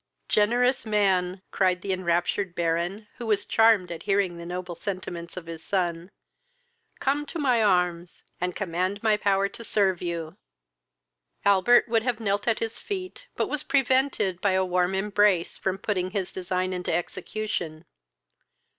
"Generous man! (cried the enraptured Baron, who was charmed at hearing the noble sentiments of his son,) come to my arms, and command my power to serve you!" Albert would have knelt at his feet, but was prevented by a warm embrace from putting his design in execution.